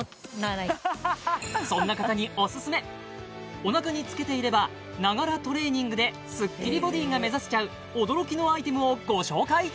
お腹に着けていればながらトレーニングでスッキリボディが目指せちゃう驚きのアイテムをご紹介！